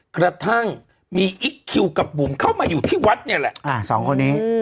กระทั่งมีอิ๊กคิวกับบุ๋มเข้ามาอยู่ที่วัดเนี่ยแหละสองคนนี้